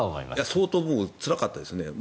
相当つらかったです。